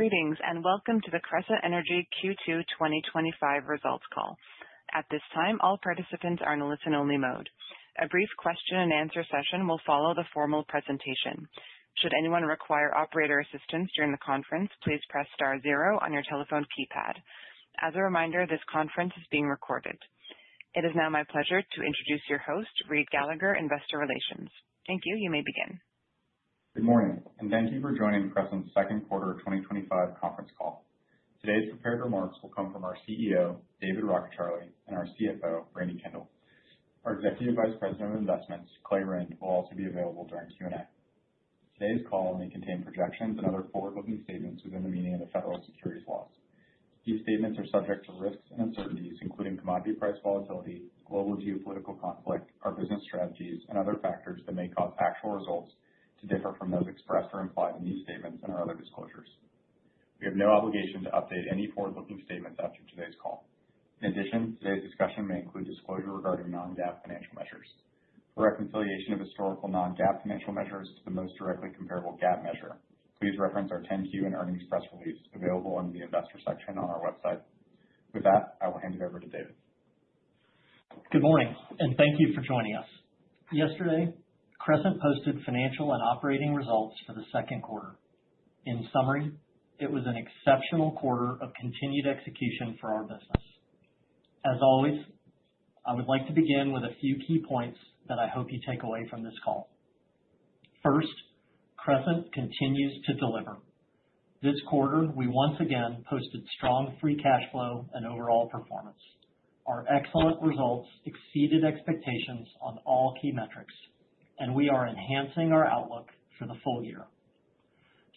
Greetings and welcome to the Crescent Energy Q2 2025 Results Call. At this time, all participants are in a listen-only mode. A brief question and answer session will follow the formal presentation. Should anyone require operator assistance during the conference, please press star zero on your telephone keypad. As a reminder, this conference is being recorded. It is now my pleasure to introduce your host, Reid Gallagher, Investor Relations. Thank you. You may begin. Good morning, and thank you for joining Crescent Energy's Second Quarter 2025 Conference Call. Today's prepared remarks will come from our CEO, David Rockecharlie, and our CFO, Brandi Kendall. Our Executive Vice President of Investments, Clay Rynd, will also be available during Q&A. Today's call may contain projections and other forward-looking statements within the meaning of the Federal Securities Law. These statements are subject to risks and uncertainties, including commodity price volatility, global geopolitical conflict, our business strategies, and other factors that may cause actual results to differ from those expressed or implied in these statements and our other disclosures. We have no obligation to update any forward-looking statements after today's call. In addition, today's discussion may include disclosure regarding non-GAAP financial measures. For reconciliation of historical non-GAAP financial measures to the most directly comparable GAAP measure, please reference our 10-Q and earnings press release available in the Investor section on our website. With that, I will hand it over to David. Good morning, and thank you for joining us. Yesterday, Crescent posted financial and operating results for the second quarter. In summary, it was an exceptional quarter of continued execution for our business. As always, I would like to begin with a few key points that I hope you take away from this call. First, Crescent continues to deliver. This quarter, we once again posted strong free cash flow and overall performance. Our excellent results exceeded expectations on all key metrics, and we are enhancing our outlook for the full year.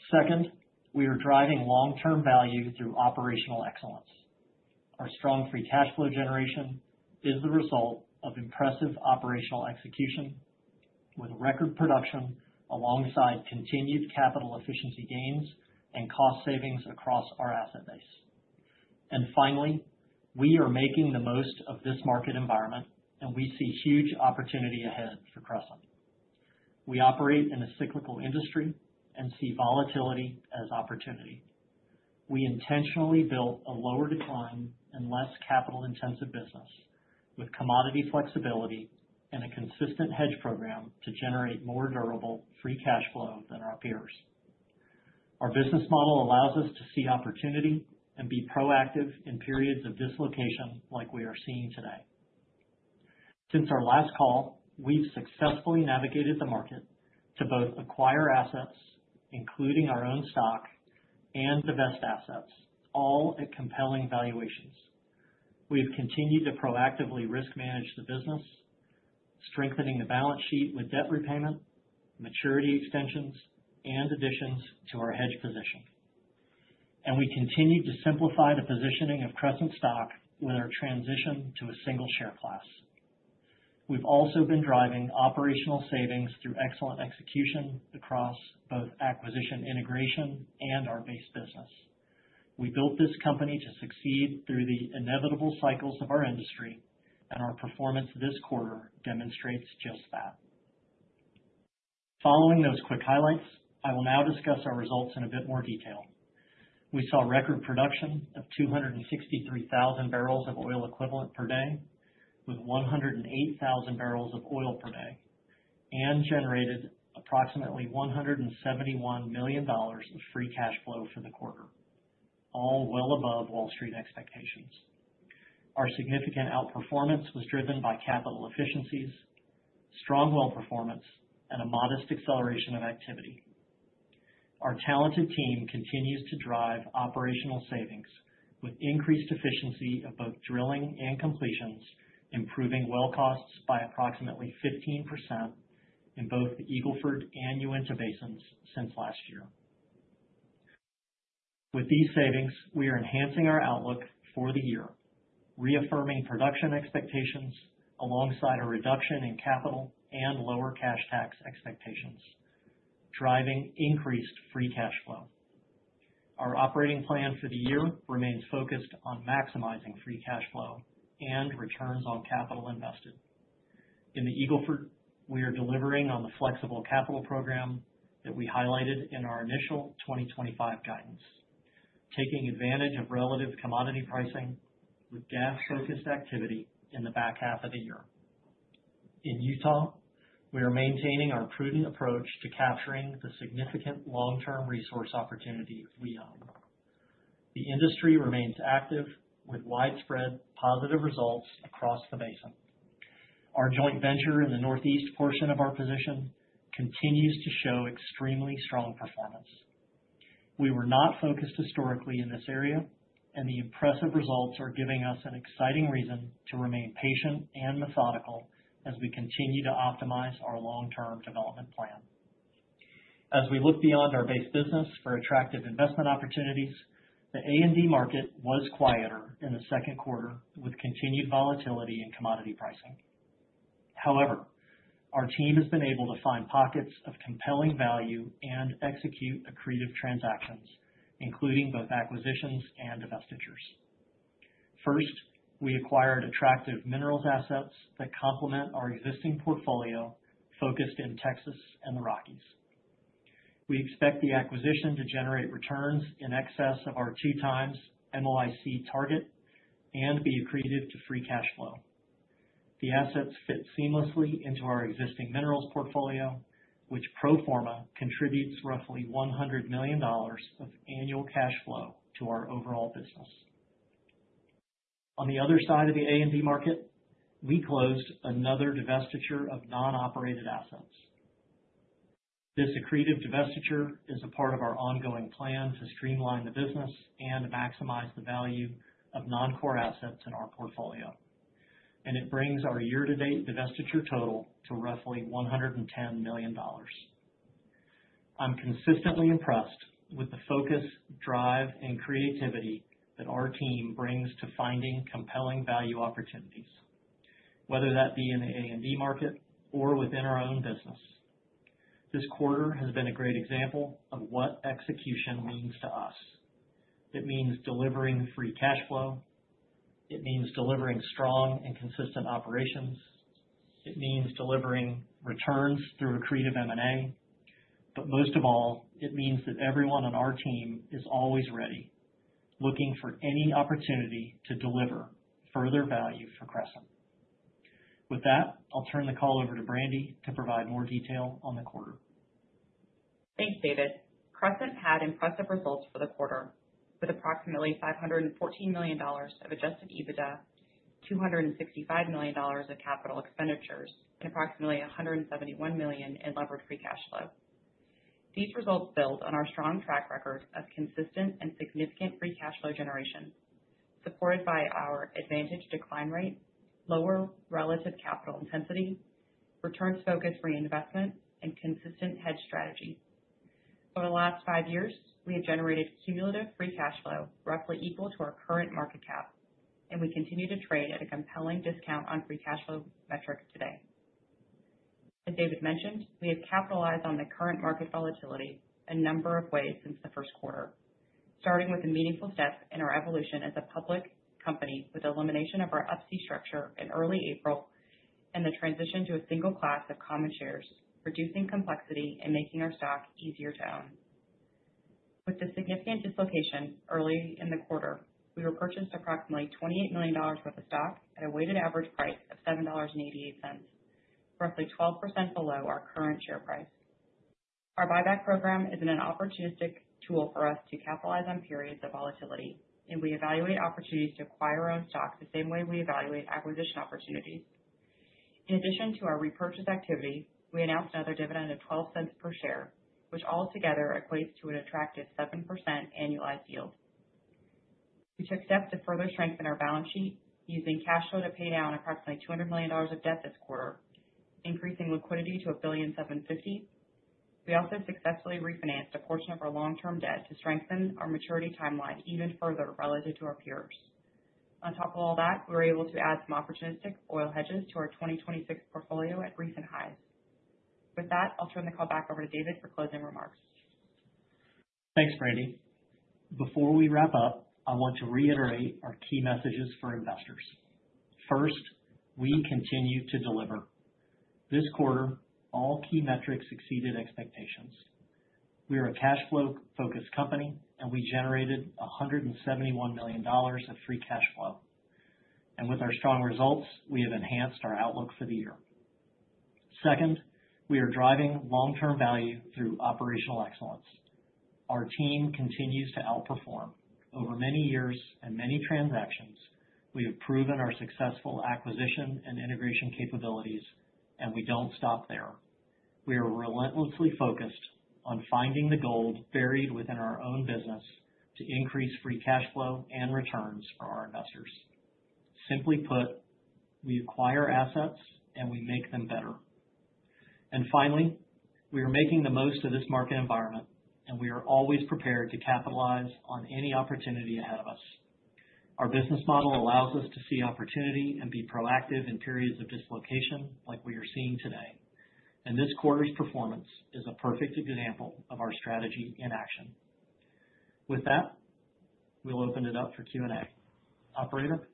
Second, we are driving long-term value through operational excellence. Our strong free cash flow generation is the result of impressive operational execution with record production alongside continued capital efficiency gains and cost savings across our asset base. Finally, we are making the most of this market environment, and we see huge opportunity ahead for Crescent. We operate in a cyclical industry and see volatility as opportunity. We intentionally built a lower decline and less capital-intensive business with commodity flexibility and a consistent hedge program to generate more durable free cash flow than our peers. Our business model allows us to see opportunity and be proactive in periods of dislocation like we are seeing today. Since our last call, we've successfully navigated the market to both acquire assets, including our own stock, and divest assets, all at compelling valuations. We've continued to proactively risk manage the business, strengthening the balance sheet with debt repayment, maturity extensions, and additions to our hedge position. We continued to simplify the positioning of Crescent stock with our transition to a single share class. We've also been driving operational savings through excellent execution across both acquisition integration and our base business. We built this company to succeed through the inevitable cycles of our industry, and our performance this quarter demonstrates just that. Following those quick highlights, I will now discuss our results in a bit more detail. We saw record production of 263,000 bbl of oil equivalent per day, with 108,000 bbl of oil per day, and generated approximately $171 million of free cash flow for the quarter, all well above Wall Street expectations. Our significant outperformance was driven by capital efficiencies, strong oil performance, and a modest acceleration of activity. Our talented team continues to drive operational savings with increased efficiency of both drilling and completions, improving well costs by approximately 15% in both the Eagle Ford and Uinta basins since last year. With these savings, we are enhancing our outlook for the year, reaffirming production expectations alongside a reduction in capital and lower cash tax expectations, driving increased free cash flow. Our operating plan for the year remains focused on maximizing free cash flow and returns on capital invested. In the Eagle Ford, we are delivering on the flexible capital program that we highlighted in our initial 2025 guidance, taking advantage of relative commodity pricing with gas-focused activity in the back half of the year. In Uinta, we are maintaining our prudent approach to capturing the significant long-term resource opportunities we own. The industry remains active with widespread positive results across the basin. Our joint venture in the northeast portion of our position continues to show extremely strong performance. We were not focused historically in this area, and the impressive results are giving us an exciting reason to remain patient and methodical as we continue to optimize our long-term development plan. As we look beyond our base business for attractive investment opportunities, the A&D market was quieter in the second quarter with continued volatility in commodity pricing. However, our team has been able to find pockets of compelling value and execute accretive transactions, including both acquisitions and divestitures. First, we acquired attractive minerals assets that complement our existing portfolio focused in Texas and the Rockies. We expect the acquisition to generate returns in excess of our 2x MOIC target and be accretive to free cash flow. The assets fit seamlessly into our existing minerals portfolio, which pro forma contributes roughly $100 million of annual cash flow to our overall business. On the other side of the A&D market, we closed another divestiture of non-operated assets. This accretive divestiture is a part of our ongoing plan to streamline the business and maximize the value of non-core assets in our portfolio, and it brings our year-to-date divestiture total to roughly $110 million. I'm consistently impressed with the focus, drive, and creativity that our team brings to finding compelling value opportunities, whether that be in the A&D market or within our own business. This quarter has been a great example of what execution means to us. It means delivering free cash flow. It means delivering strong and consistent operations. It means delivering returns through accretive M&A. Most of all, it means that everyone on our team is always ready, looking for any opportunity to deliver further value for Crescent. With that, I'll turn the call over to Brandi to provide more detail on the quarter. Thanks, David. Crescent had impressive results for the quarter with approximately $514 million of adjusted EBITDA, $265 million of capital expenditures, and approximately $171 million in leveraged free cash flow. These results build on our strong track record of consistent and significant free cash flow generation, supported by our advantaged decline rate, lower relative capital intensity, returns-focused reinvestment, and consistent hedging strategy. Over the last five years, we have generated cumulative free cash flow roughly equal to our current market cap, and we continue to trade at a compelling discount on free cash flow metrics today. As David mentioned, we have capitalized on the current market volatility a number of ways since the first quarter, starting with a meaningful step in our evolution as a public company with the elimination of our Up-C structure in early April and the transition to a single class of common shares, reducing complexity and making our stock easier to own. With the significant dislocation early in the quarter, we repurchased approximately $28 million worth of stock at a weighted average price of $7.88, roughly 12% below our current share price. Our share repurchase program is an opportunistic tool for us to capitalize on periods of volatility, and we evaluate opportunities to acquire our own stock the same way we evaluate acquisition opportunities. In addition to our repurchase activity, we announced another dividend of $0.12 per share, which altogether equates to an attractive 7% annualized yield. We took steps to further strengthen our balance sheet, using cash flow to pay down approximately $200 million of debt this quarter, increasing liquidity to $1,750,000. We also successfully refinanced a portion of our long-term debt to strengthen our maturity timeline even further relative to our peers. On top of all that, we were able to add some opportunistic oil hedges to our 2026 portfolio at recent highs. With that, I'll turn the call back over to David for closing remarks. Thanks, Brandi. Before we wrap up, I want to reiterate our key messages for investors. First, we continue to deliver. This quarter, all key metrics exceeded expectations. We are a cash-flow-focused company, and we generated $171 million of free cash flow. With our strong results, we have enhanced our outlook for the year. Second, we are driving long-term value through operational excellence. Our team continues to outperform. Over many years and many transactions, we have proven our successful acquisition and integration capabilities, and we do not stop there. We are relentlessly focused on finding the gold buried within our own business to increase free cash flow and returns for our investors. Simply put, we acquire assets, and we make them better. Finally, we are making the most of this market environment, and we are always prepared to capitalize on any opportunity ahead of us. Our business model allows us to see opportunity and be proactive in periods of dislocation like we are seeing today. This quarter's performance is a perfect example of our strategy in action. With that, we'll open it up for Q&A. Operator?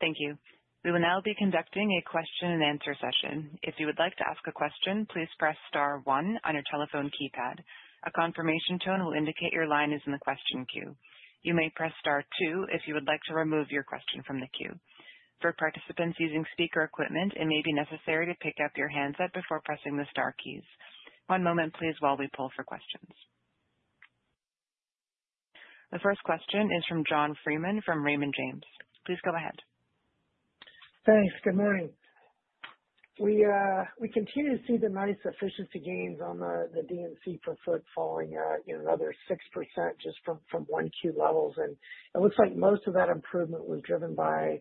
Thank you. We will now be conducting a question and answer session. If you would like to ask a question, please press star one on your telephone keypad. A confirmation tone will indicate your line is in the question queue. You may press star two if you would like to remove your question from the queue. For participants using speaker equipment, it may be necessary to pick up your handset before pressing the star keys. One moment, please, while we pull for questions. The first question is from John Freeman from Raymond James. Please go ahead. Thanks. Good morning. We continue to see the nice efficiency gains on the D&C preferred, falling another 6% just from 1Q levels. It looks like most of that improvement was driven by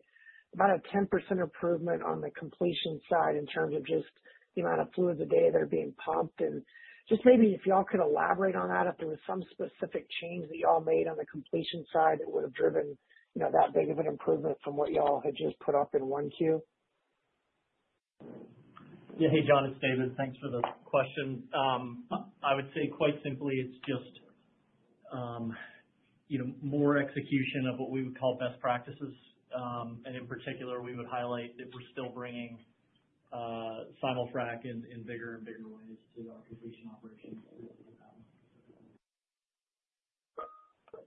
about a 10% improvement on the completion side in terms of just the amount of fluids a day that are being pumped. Maybe if y'all could elaborate on that, if there was some specific change that y'all made on the completion side that would have driven that big of an improvement from what y'all had just put up in 1Q. Yeah. Hey, John. It's David. Thanks for the question. I would say quite simply, it's just more execution of what we would call best practices. In particular, we would highlight that we're still bringing final track in bigger and bigger ways to the authorization operations to really do that.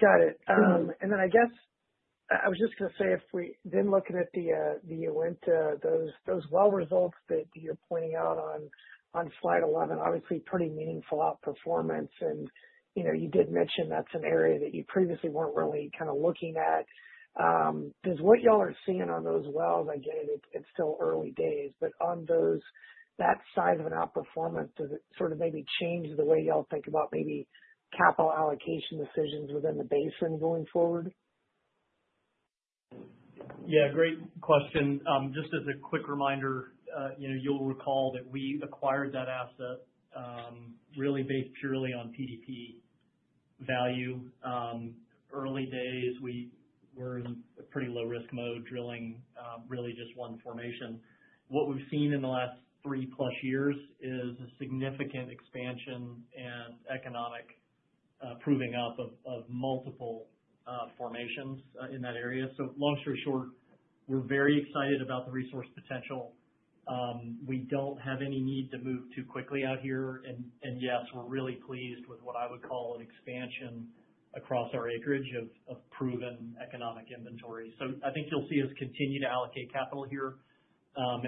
Got it. I was just going to say if we are then looking at the Uinta, those well results that you're pointing out on slide 11 are obviously pretty meaningful outperformance. You did mention that's an area that you previously weren't really kind of looking at. Does what y'all are seeing on those wells—I get it, it's still early days—but on those, that size of an outperformance, does it sort of maybe change the way y'all think about maybe capital allocation decisions within the basin going forward? Yeah, great question. Just as a quick reminder, you'll recall that we acquired that asset really based purely on PDP value. Early days, we were in a pretty low-risk mode drilling really just one formation. What we've seen in the last 3+ years is a significant expansion and economic proving out of multiple formations in that area. Long story short, we're very excited about the resource potential. We don't have any need to move too quickly out here. Yes, we're really pleased with what I would call an expansion across our acreage of proven economic inventory. I think you'll see us continue to allocate capital here.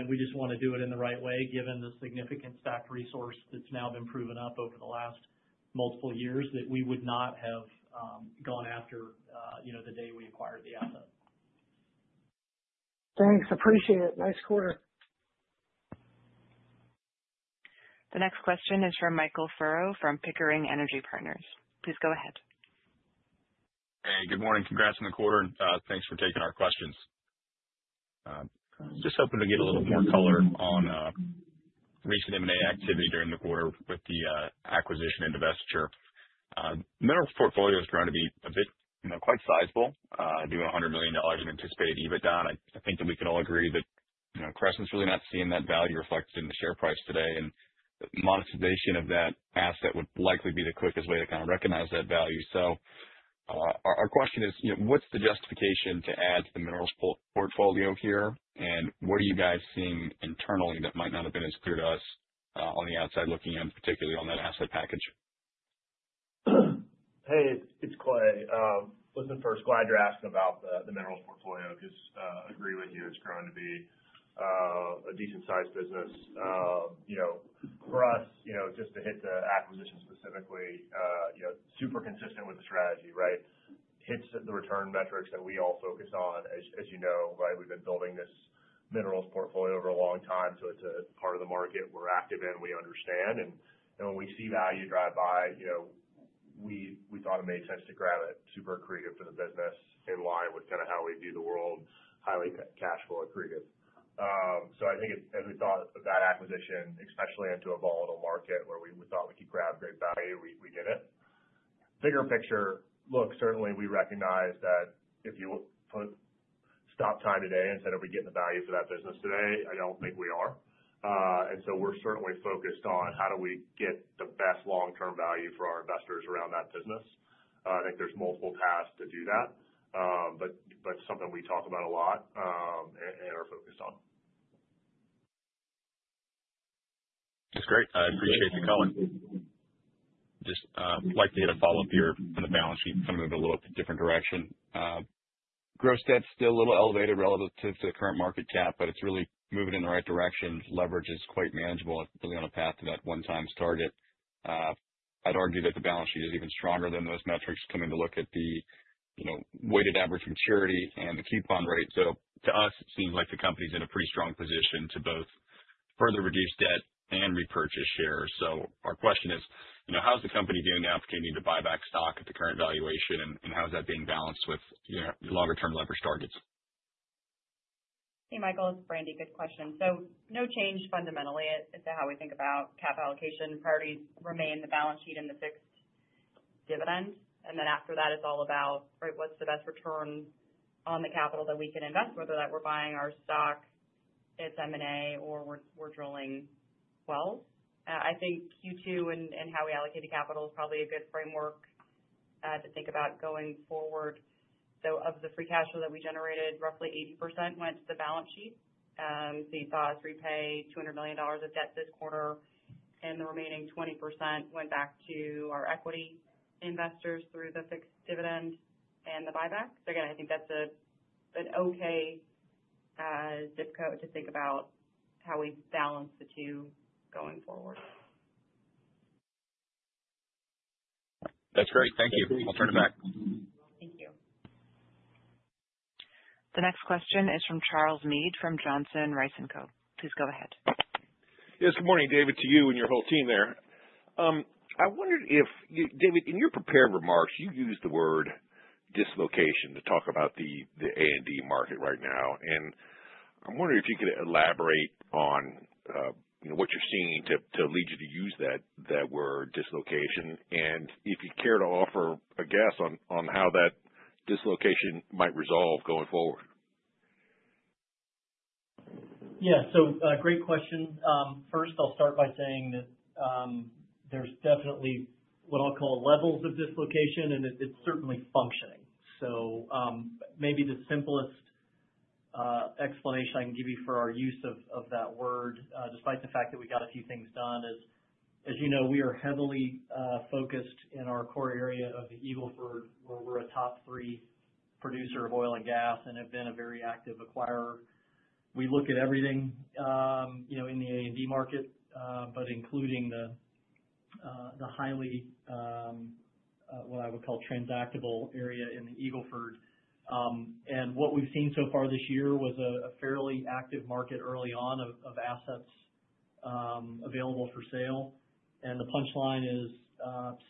We just want to do it in the right way, given the significant stock resource that's now been proven up over the last multiple years that we would not have gone after the day we acquired the asset. Thanks. Appreciate it. Nice quarter. The next question is from Michael Furrow from Pickering Energy Partners. Please go ahead. Hey, good morning. Congrats on the quarter, and thanks for taking our questions. Just hoping to get a little more color on recent M&A activity during the quarter with the acquisition and divestiture. The mineral portfolio is growing to be quite sizable. I do have $100 million in anticipated EBITDA. I think that we can all agree that Crescent's really not seeing that value reflected in the share price today. Monetization of that asset would likely be the quickest way to kind of recognize that value. Our question is, what's the justification to add to the minerals portfolio here? What are you guys seeing internally that might not have been as clear to us on the outside looking in, particularly on that asset package? Hey, it's Clay. First, glad you're asking about the minerals portfolio because I agree with you, it's growing to be a decent-sized business. For us, just to hit the acquisition specifically, it's super consistent with the strategy, right? Hits the return metrics that we all focus on, as you know, right? We've been building this minerals portfolio for a long time, so it's a part of the market we're active in, we understand. When we see value drive by, we thought it made sense to grab it, super accretive to the business, in line with kind of how we view the world, highly cash flow accretive. I think as we thought of that acquisition, especially into a volatile market where we thought we could grab great value, we did it. Bigger picture, certainly we recognize that if you stop time today and said, "Are we getting the value for that business today?" I don't think we are. We're certainly focused on how do we get the best long-term value for our investors around that business. I think there's multiple tasks to do that, but it's something we talk about a lot and are focused on. That's great. I appreciate you calling. I'd just like to get a follow-up here from the balance sheet, kind of in a little bit different direction. Gross debt's still a little elevated relative to the current market cap, but it's really moving in the right direction. Leverage is quite manageable, really on a path to that one-time target. I'd argue that the balance sheet is even stronger than those metrics, looking at the weighted average maturity and the coupon rate. To us, it seems like the company's in a pretty strong position to both further reduce debt and repurchase shares. Our question is, how's the company doing now if they need to buy back stock at the current valuation? How's that being balanced with your longer-term leverage targets? Hey, Michael. It's Brandi. Good question. No change fundamentally to how we think about cap allocation. Priorities remain the balance sheet and the fixed dividend. After that, it's all about what's the best return on the capital that we can invest, whether that's buying our stock, it's M&A, or we're drilling well. I think Q2 and how we allocate the capital is probably a good framework to think about going forward. Of the free cash flow that we generated, roughly 80% went to the balance sheet. You saw us repay $200 million of debt this quarter, and the remaining 20% went back to our equity investors through the fixed dividend and the buyback. I think that's an okay zip code to think about how we balance the two going forward. That's great. Thank you. I'll turn it back. Thank you. The next question is from Charles Meade from Johnson Rice & Co. Please go ahead. Yes. Good morning, David, to you and your whole team there. I wondered if you, David, in your prepared remarks, you used the word dislocation to talk about the A&D market right now. I'm wondering if you could elaborate on what you're seeing to lead you to use that word dislocation and if you care to offer a guess on how that dislocation might resolve going forward. Yeah. Great question. First, I'll start by saying that there's definitely what I'll call levels of dislocation, and it's certainly functioning. Maybe the simplest explanation I can give you for our use of that word, despite the fact that we got a few things done, is, as you know, we are heavily focused in our core area of the Eagle Ford, where we're a top three producer of oil and gas and have been a very active acquirer. We look at everything in the A&D market, including the highly, what I would call, transactable area in the Eagle Ford. What we've seen so far this year was a fairly active market early on of assets available for sale. The punchline is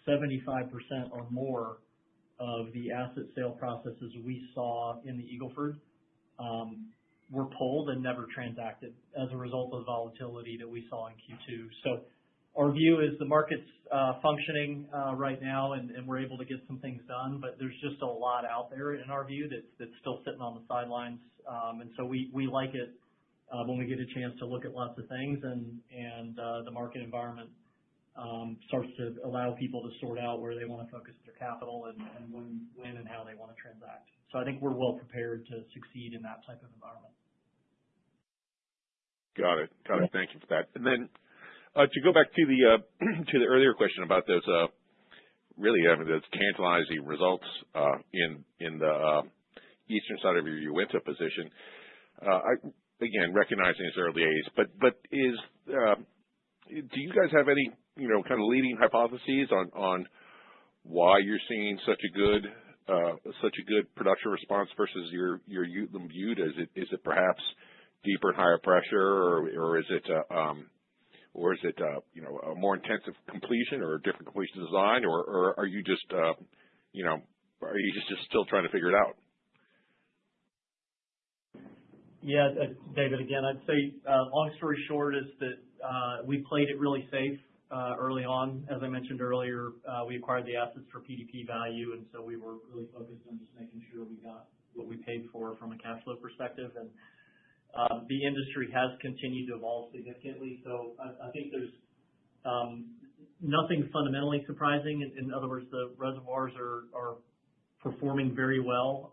75% or more of the asset sale processes we saw in the Eagle Ford were pulled and never transacted as a result of the volatility that we saw in Q2. Our view is the market's functioning right now, and we're able to get some things done, but there's just a lot out there in our view that's still sitting on the sidelines. We like it when we get a chance to look at lots of things, and the market environment starts to allow people to sort out where they want to focus their capital and when and how they want to transact. I think we're well prepared to succeed in that type of environment. Got it. Thank you for that. To go back to the earlier question about those, really, I mean, those tantalizing results in the eastern side of your Uinta position, again, recognizing its early days, do you guys have any kind of leading hypotheses on why you're seeing such a good production response versus your Uinta? Is it perhaps deeper and higher pressure, or is it a more intensive completion or a different completion design, or are you just still trying to figure it out? Yeah. David, again, I'd say long story short is that we played it really safe early on. As I mentioned earlier, we acquired the assets for PDP value, and we were really focused on just making sure it was not what we paid for from a cash flow perspective. The industry has continued to evolve significantly. I think there's nothing fundamentally surprising. In other words, the reservoirs are performing very well.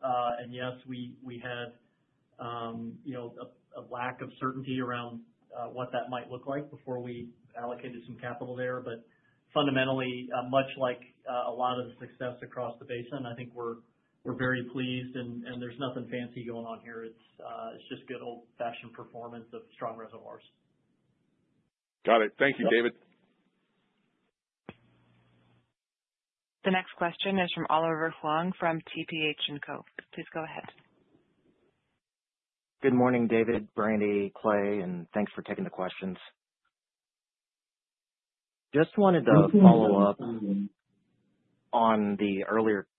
Yes, we had a lack of certainty around what that might look like before we allocated some capital there. Fundamentally, much like a lot of the success across the basin, I think we're very pleased, and there's nothing fancy going on here. It's just good old-fashioned performance of strong reservoirs. Got it. Thank you, David. The next question is from Oliver Huang from TPH & Co. Please go ahead. Good morning, David, Brandi, Clay, and thanks for taking the questions. Just wanted to follow up on the earlier question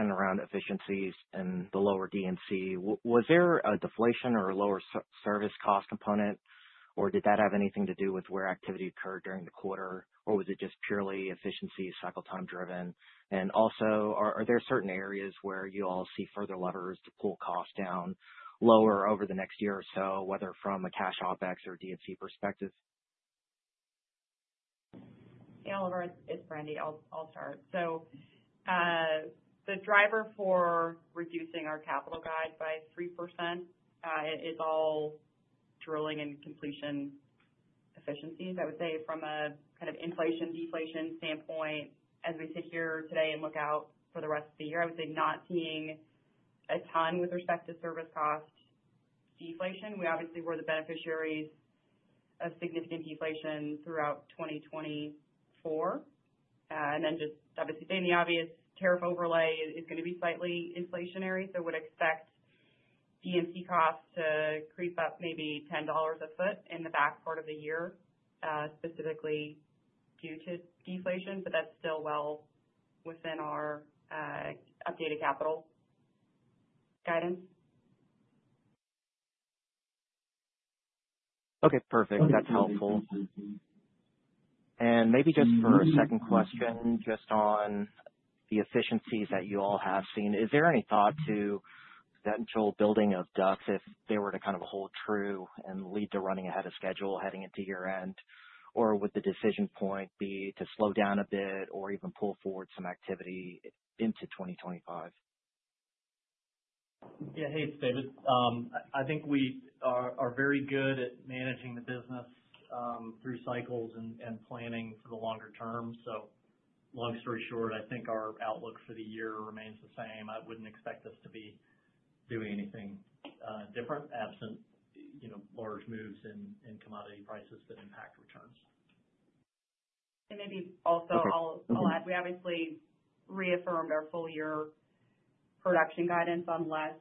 around efficiencies and the lower D&C. Was there a deflation or a lower service cost component, or did that have anything to do with where activity occurred during the quarter, or was it just purely efficiency cycle time-driven? Also, are there certain areas where you all see further levers to pull costs down lower over the next year or so, whether from a cash OpEx or D&C perspective? Hey, Oliver. It's Brandi. I'll start. The driver for reducing our capital guide by 3% is all drilling and completion efficiencies, I would say, from a kind of inflation-deflation standpoint. As we sit here today and look out for the rest of the year, I would say not seeing a ton with respect to service cost deflation. We obviously were the beneficiaries of significant deflation throughout 2024. Obviously, saying the obvious, tariff overlay is going to be slightly inflationary. I would expect D&C costs to creep up maybe $10 a foot in the back part of the year, specifically due to deflation, but that's still well within our updated capital guidance. Okay. Perfect. That's helpful. Maybe just for a second question, just on the efficiencies that you all have seen, is there any thought to potential building of ducts if they were to kind of hold true and lead to running ahead of schedule heading into year-end? Would the decision point be to slow down a bit or even pull forward some activity into 2025? Yeah. Hey, it's David. I think we are very good at managing the business through cycles and planning for the longer term. Long story short, I think our outlook for the year remains the same. I wouldn't expect us to be doing anything different absent large moves in commodity prices that impact returns. We obviously reaffirmed our full-year production guidance on less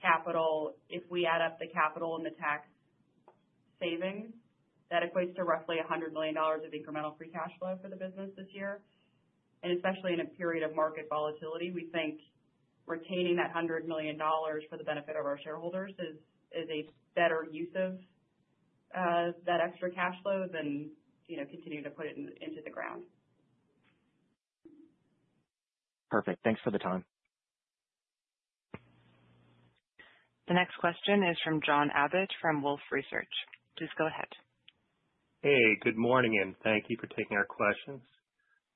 capital. If we add up the capital and the tax savings, that equates to roughly $100 million of incremental free cash flow for the business this year. Especially in a period of market volatility, we think retaining that $100 million for the benefit of our shareholders is a better use of that extra cash flow than, you know, continuing to put it into the ground. Perfect. Thanks for the time. The next question is from John Abbott from Wolfe Research. Please go ahead. Hey, good morning, and thank you for taking our questions.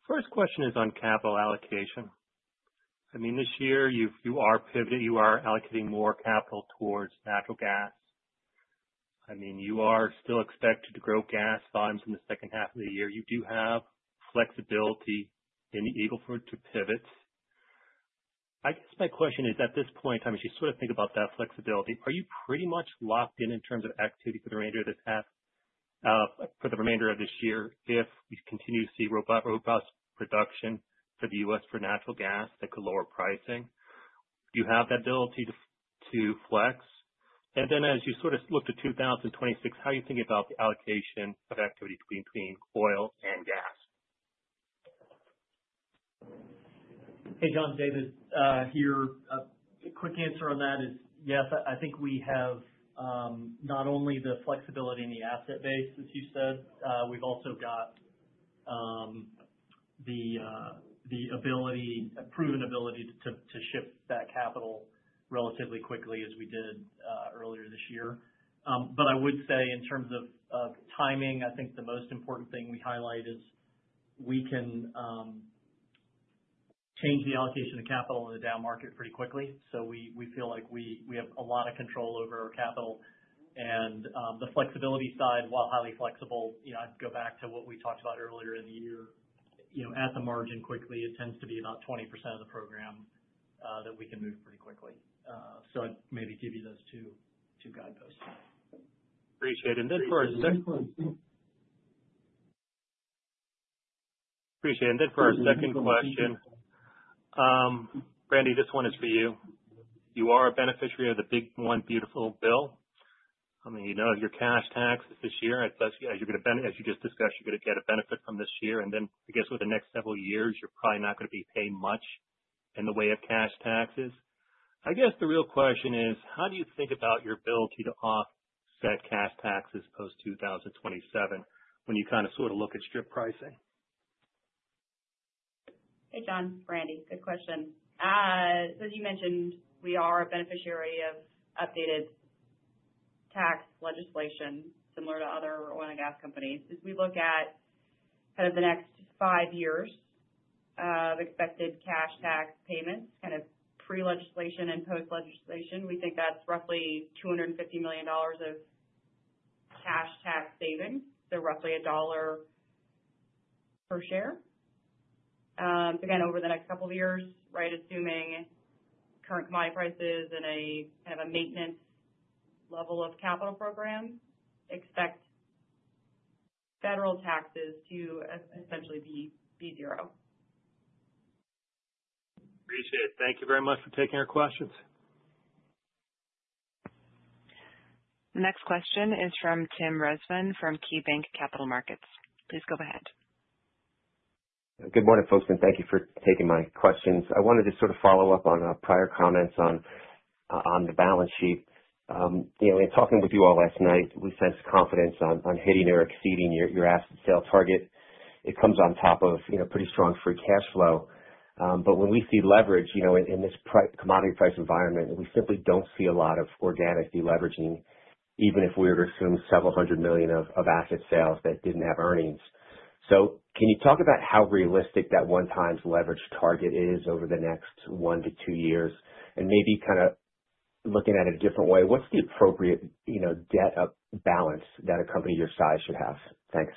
First question is on capital allocation. This year, you are pivoting. You are allocating more capital towards natural gas. You are still expected to grow gas volumes in the second half of the year. You do have flexibility in the Eagle Ford to pivot. My question is, at this point in time, as you sort of think about that flexibility, are you pretty much locked in in terms of activity for the remainder of this year if we continue to see robust production for the U.S. for natural gas that could lower pricing? Do you have that ability to flex? As you sort of look to 2026, how are you thinking about the allocation of activity between oil and gas? Hey, John, David. A quick answer on that is, yes, I think we have not only the flexibility in the asset base, as you said, we've also got the proven ability to shift that capital relatively quickly as we did earlier this year. I would say in terms of timing, I think the most important thing we highlight is we can change the allocation of capital in a down market pretty quickly. We feel like we have a lot of control over our capital. On the flexibility side, while highly flexible, I'd go back to what we talked about earlier in the year. At the margin quickly, it tends to be about 20% of the program that we can move pretty quickly. I'd maybe give you those two guideposts. Appreciate it. For our second question, Brandi, this one is for you. You are a beneficiary of the big one beautiful bill. I mean, you know your cash taxes this year, as you just discussed, you're going to get a benefit from this year. I guess with the next several years, you're probably not going to be paying much in the way of cash taxes. The real question is, how do you think about your ability to offset cash taxes post-2027 when you kind of sort of look at strip pricing? Hey, John. Brandi, good question. As you mentioned, we are a beneficiary of updated tax legislation similar to other oil and gas companies. If we look at the next five years of expected cash tax payments, pre-legislation and post-legislation, we think that's roughly $250 million of cash tax savings, so roughly $1 per share. Again, over the next couple of years, assuming current compliance prices and a kind of a maintenance level of capital program, expect federal taxes to essentially be zero. Appreciate it. Thank you very much for taking our questions. The next question is from Tim Rezvan from KeyBanc Capital Markets. Please go ahead. Good morning, folks, and thank you for taking my questions. I wanted to sort of follow up on prior comments on the balance sheet. In talking with you all last night, we sense confidence on hitting or exceeding your asset sale target. It comes on top of pretty strong free cash flow. When we see leverage in this commodity price environment, we simply don't see a lot of organic deleveraging, even if we were to assume several hundred million of asset sales that didn't have earnings. Can you talk about how realistic that one-time's leverage target is over the next one to two years? Maybe kind of looking at it a different way, what's the appropriate debt balance that a company your size should have? Thanks.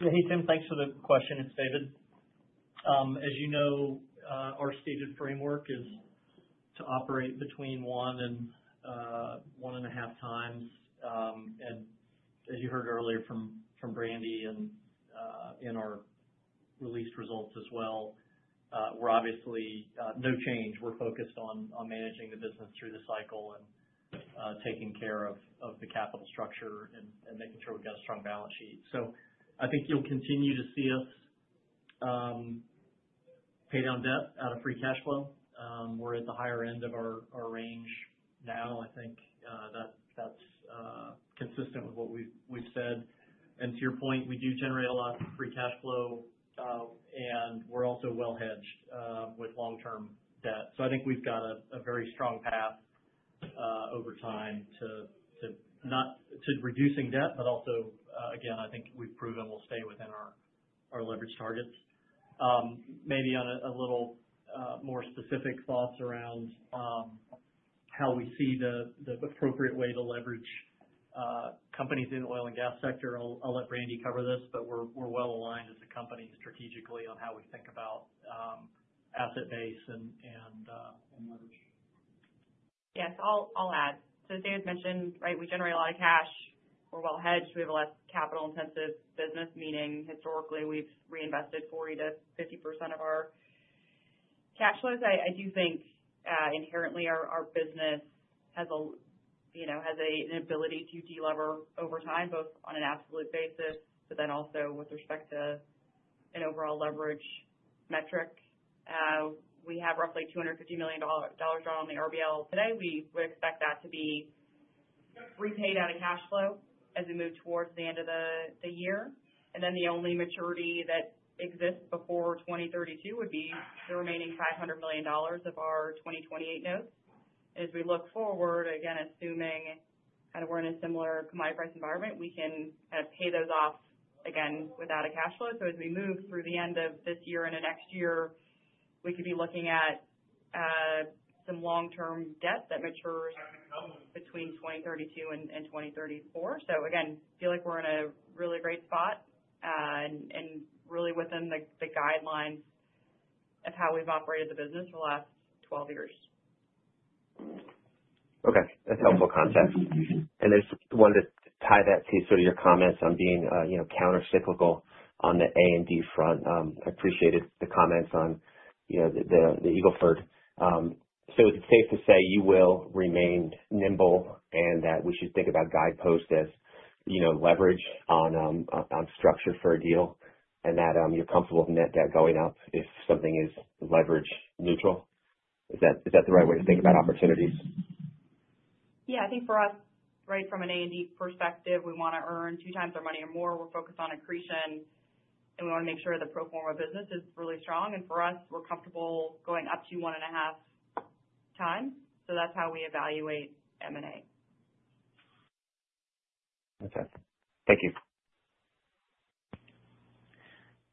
Yeah. Hey, Tim. Thanks for the question. It's David. As you know, our stated framework is to operate between 1x-1.5x. As you heard earlier from Brandi and in our released results as well, there's obviously no change. We're focused on managing the business through the cycle and taking care of the capital structure and making sure we've got a strong balance sheet. I think you'll continue to see us pay down debt out of free cash flow. We're at the higher end of our range now. I think that's consistent with what we've said. To your point, we do generate a lot of free cash flow, and we're also well hedged with long-term debt. I think we've got a very strong path over time to not to reducing debt, but also, again, I think we've proven we'll stay within our leverage targets. Maybe on a little more specific thoughts around how we see the appropriate way to leverage companies in the oil and gas sector, I'll let Brandi cover this, but we're well aligned as a company strategically on how we think about asset base and leverage. Yes. I'll add. As David mentioned, we generate a lot of cash. We're well hedged. We have a less capital-intensive business, meaning, historically, we've reinvested 40%-50% of our cash flows. I do think inherently our business has an ability to delever over time, both on an absolute basis, but also with respect to an overall leverage metric. We have roughly $250 million drawn on the RBL today. We would expect that to be repaid out of cash flow as we move towards the end of the year. The only maturity that exists before 2032 would be the remaining $500 million of our 2028 notes. As we look forward, again, assuming we're in a similar commodity price environment, we can pay those off again without a cash flow. As we move through the end of this year and the next year, we could be looking at some long-term debt that matures between 2032 and 2034. I feel like we're in a really great spot and really within the guidelines of how we've operated the business for the last 12 years. Okay. That's helpful context. I just wanted to tie that to your comments on being countercyclical on the A&D front. I appreciated the comments on the Eagle Ford. Is it safe to say you will remain nimble and that we should think about guideposts as leverage on structure for a deal and that you're comfortable with net debt going up if something is leverage neutral? Is that the right way to think about opportunities? Yeah. I think for us, right, from an A&D perspective, we want to earn 2x our money or more. We're focused on accretion, and we want to make sure the pro forma business is really strong. For us, we're comfortable going up to 1.5x. That's how we evaluate M&A. Okay, thank you.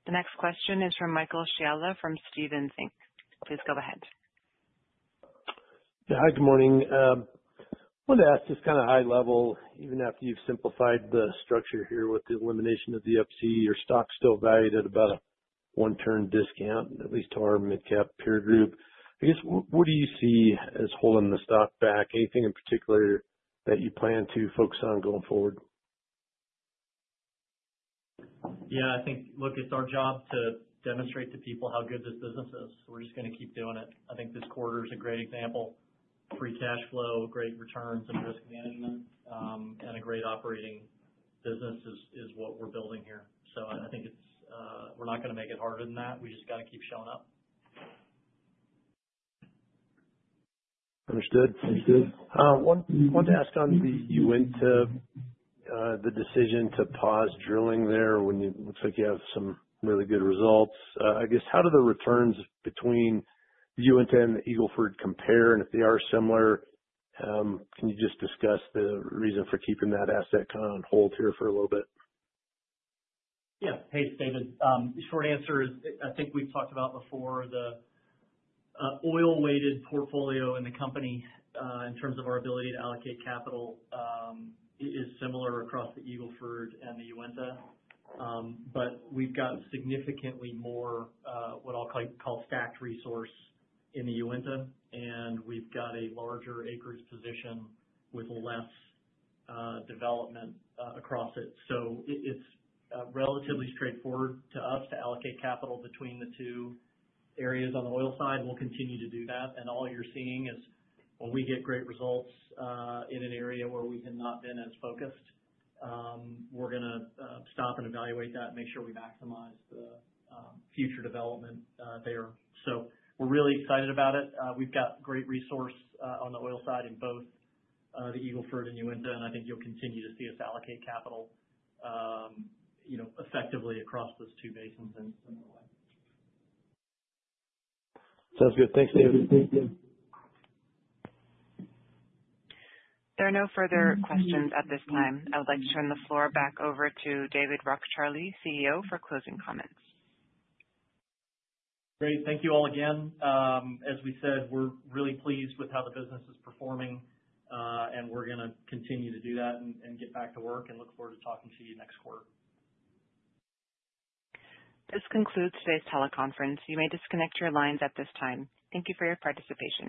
The next question is from Michael Scialla from Stephens Inc. Please go ahead. Yeah. Hi. Good morning. I wanted to ask just kind of high level, even after you've simplified the structure here with the elimination of the Up-C, your stock's still valued at about a one-turn discount, at least to our mid-cap peer group. I guess, what do you see as holding the stock back? Anything in particular that you plan to focus on going forward? I think it's our job to demonstrate to people how good this business is. We're just going to keep doing it. I think this quarter is a great example. Free cash flow, great returns and risk management, and a great operating business is what we're building here. I think we're not going to make it harder than that. We just got to keep showing up. Understood. I wanted to ask on the Uinta, the decision to pause drilling there when it looks like you have some really good results. I guess, how do the returns between the Uinta and the Eagle Ford compare? If they are similar, can you just discuss the reason for keeping that asset kind of on hold here for a little bit? Yeah. Hey, it's David. The short answer is I think we've talked about before, the oil-weighted portfolio in the company, in terms of our ability to allocate capital, is similar across the Eagle Ford and the Uinta. We've got significantly more, what I'll call, stacked resource in the Uinta, and we've got a larger acreage position with less development across it. It's relatively straightforward to us to allocate capital between the two areas on the oil side. We'll continue to do that. All you're seeing is when we get great results in an area where we have not been as focused, we're going to stop and evaluate that and make sure we maximize the future development there. We're really excited about it. We've got great resource on the oil side in both the Eagle Ford and Uinta, and I think you'll continue to see us allocate capital effectively across those two basins in the way. Sounds good. Thanks, David. There are no further questions at this time. I would like to turn the floor back over to David Rockecharlie, CEO, for closing comments. Great. Thank you all again. As we said, we're really pleased with how the business is performing, and we're going to continue to do that, get back to work, and look forward to talking to you next quarter. This concludes today's teleconference. You may disconnect your lines at this time. Thank you for your participation.